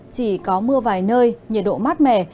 chỉ có mưa vài nơi nhiệt độ mát mẻ